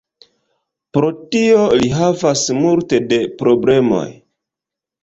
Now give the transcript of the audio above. Pro tio li havas multe de problemoj.